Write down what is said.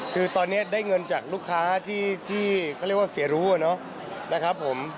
คือตอนนี้ได้เงินจากลูกค้าที่เขาเรียกว่าเสียรู้นะครับผม